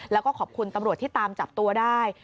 แล้วก็ขอบคุณตำรวจที่ตามจับตัวได้